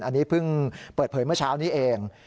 อันนี้เพิ่งเปิดเผยเมื่อเช้านี้เอง